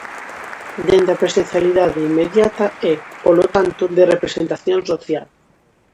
Dende a presencialidade inmediata e, polo tanto, de representación social.